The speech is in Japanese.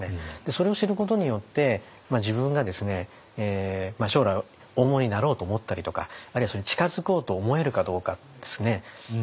それを知ることによって自分がですね将来大物になろうと思ったりとかあるいはそれに近づこうと思えるかどうかですね。